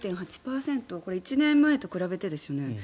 これ、１年前と比べてですよね。